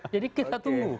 jadi kita tunggu